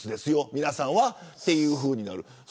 皆さんは、というふうになる。